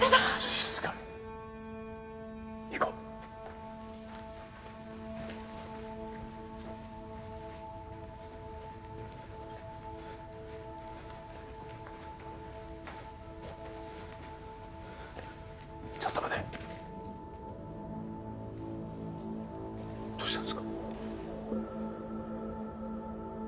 静かに行こうちょっと待てどうしたんですか？